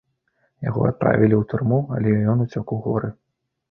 Яго адправілі ў турму, але ён уцёк у горы.